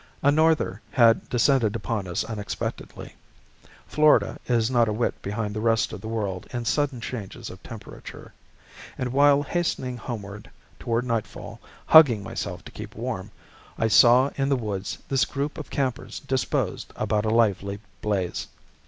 A "norther" had descended upon us unexpectedly (Florida is not a whit behind the rest of the world in sudden changes of temperature), and while hastening homeward, toward nightfall, hugging myself to keep warm, I saw, in the woods, this group of campers disposed about a lively blaze.